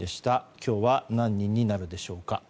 今日は何人になるでしょうか。